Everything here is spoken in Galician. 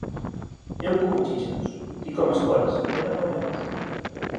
Eu como chícharos, ti comes coles, ela come ovos